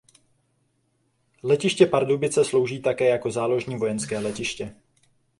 Letiště Pardubice slouží také jako záložní vojenské letiště.